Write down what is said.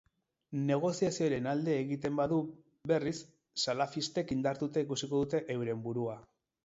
Negoziazioaren alde egiten badu, berriz, salafistek indartuta ikusiko dute euren burua.